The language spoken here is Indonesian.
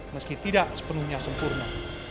meski tidak sepenuhnya sempurna